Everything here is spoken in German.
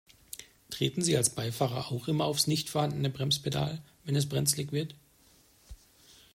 Treten Sie als Beifahrer auch immer aufs nicht vorhandene Bremspedal, wenn es brenzlig wird?